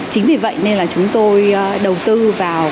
chính vì vậy nên là chúng tôi đầu tư vào